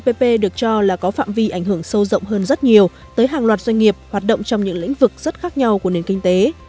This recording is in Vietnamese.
doanh nghiệp việt nam cho là có phạm vi ảnh hưởng sâu rộng hơn rất nhiều tới hàng loạt doanh nghiệp hoạt động trong những lĩnh vực rất khác nhau của nền kinh tế